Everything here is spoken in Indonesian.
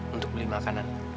untuk beli makanan